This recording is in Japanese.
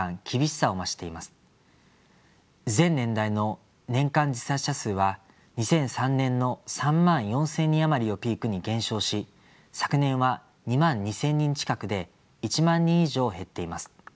全年代の年間自殺者数は２００３年の３万４，０００人余りをピークに減少し昨年は２万２，０００人近くで１万人以上減っています。